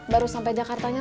baru sampai jakartanya